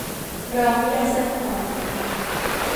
เราไม่ได้สร้อยคอ